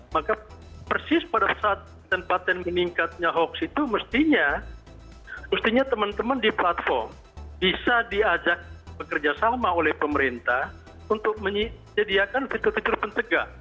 maka persis pada saat dan patent meningkatnya hoax itu mestinya mestinya teman teman di platform bisa diajak bekerja sama oleh pemerintah untuk menyediakan fitur fitur pencegah